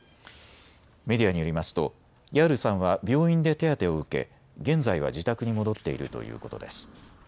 メディアによりますとヤールさんは病院で手当てを受け現在は自宅に戻っているということです。